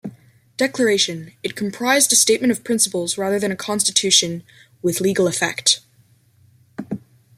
Declaration, it comprised a statement of principles rather than a constitution with legal effect.